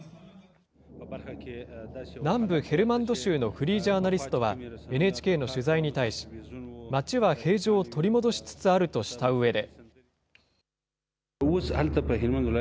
南部ヘルマンド州のフリージャーナリストは、ＮＨＫの取材に対し、街は平常を取り戻しつつあるとしたうえで。